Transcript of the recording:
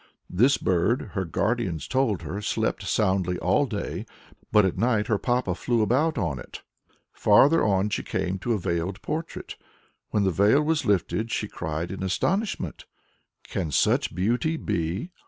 This bird, her guardians told her, slept soundly all day, but at night her papa flew about on it. Farther on she came to a veiled portrait. When the veil was lifted, she cried in astonishment "Can such beauty be?"